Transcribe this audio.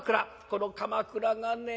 この『鎌倉』がね